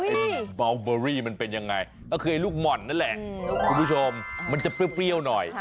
เบาเบอรี่มันเป็นยังไงก็คือไอ้ลูกหม่อนนั่นแหละคุณผู้ชมมันจะเปรี้ยวหน่อย